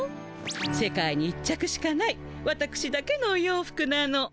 世界に一着しかないわたくしだけのお洋服なの。